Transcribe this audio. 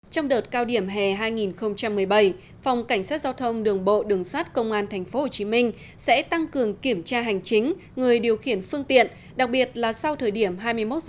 trong đợt cao điểm hè hai nghìn một mươi bảy phòng cảnh sát giao thông đường bộ đường sát công an tp hcm sẽ tăng cường kiểm tra hành chính người điều khiển phương tiện đặc biệt là sau thời điểm hai mươi một h